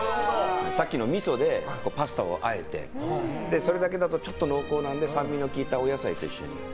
さっきのみそでパスタをあえてそれだけだとちょっと濃厚なので酸味のきいたお野菜と一緒に。